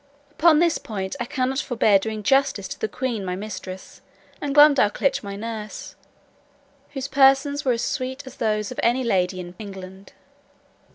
Upon this point, I cannot forbear doing justice to the queen my mistress, and Glumdalclitch my nurse, whose persons were as sweet as those of any lady in England.